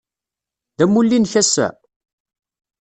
D amulli-nnek ass-a?